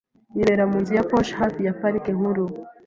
Yibera mu nzu ya posh hafi ya Parike Nkuru .